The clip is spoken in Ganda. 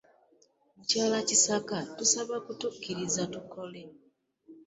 Mukyala Kisaka tusaba kutukkiriza tukole.